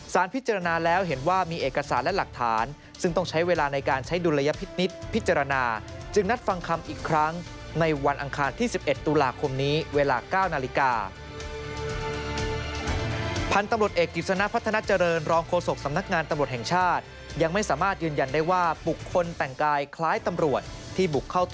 พิจารณาแล้วเห็นว่ามีเอกสารและหลักฐานซึ่งต้องใช้เวลาในการใช้ดุลยพินิษฐ์พิจารณาจึงนัดฟังคำอีกครั้งในวันอังคารที่๑๑ตุลาคมนี้เวลา๙นาฬิกา